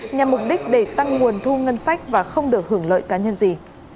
nhằm mục đích để tăng nguồn thu ngân sách và không được hưởng lợi cá nhân gì